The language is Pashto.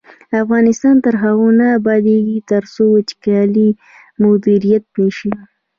افغانستان تر هغو نه ابادیږي، ترڅو وچکالي مدیریت نشي.